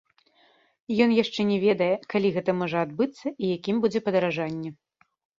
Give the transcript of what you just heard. Ён яшчэ не ведае, калі гэта можа адбыцца і якім будзе падаражанне.